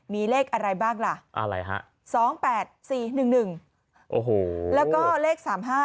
มีเลขอะไรบ้างล่ะอะไรฮะสองแปดสี่หนึ่งหนึ่งโอ้โหแล้วก็เลขสามห้า